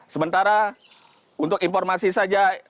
sementara untuk informasi saja